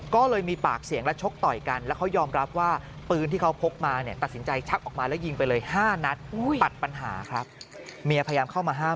ก็เลยมีปากเสียงและชกต่อยกัน